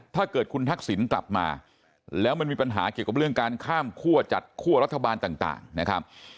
ถ้าเกิดคุณทักษิณกลับมาแล้วมันมีปัญหาเกี่ยวกับเรื่องการข้ามคั่วจัดคั่วรัฐบาลต่างนะครับ